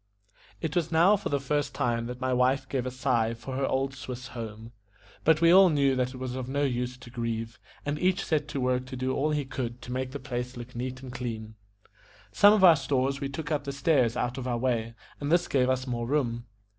It was now for the first time that my wife gave a sigh for her old Swiss home. But we all knew that it was of no use to grieve, and each set to work to do all he could to make the place look neat and clean. Some of our stores we took up the stairs out of our way, and this gave us more room.